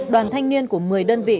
đoàn thanh niên của một mươi đơn vị